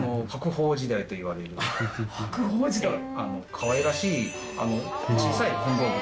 かわいらしい小さい金剛仏。